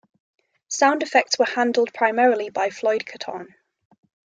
Sound effects were handled primarily by Floyd Caton.